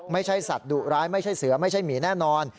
ไม่ใช่สัตว์ดุร้ายไม่ใช่เสือไม่ใช่หมีแน่นอน